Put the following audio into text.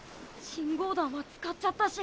信号弾は使っちゃったし。